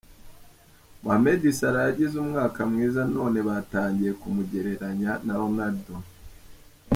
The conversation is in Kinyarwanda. Mohamed Salah yagize umwaka mwiza none batangiye kumugereranya na Ronaldo.